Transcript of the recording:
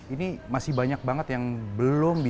ini masih banyak banget yang belum bisa dikonsumsi